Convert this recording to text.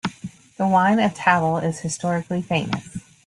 The wine of Tavel is historically famous.